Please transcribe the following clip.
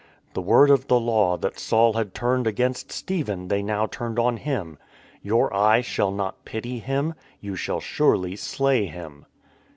The word of the Law that Saul had turned against Stephen they now turned on him: " Your eye shall not pity him, You shall surely slay him."